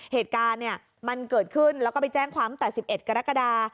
เหตุการณ์มันเกิดขึ้นแล้วก็ไปแจ้งความตั้งแต่๑๑กรกฎา